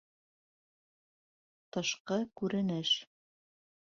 Тышҡы күренеш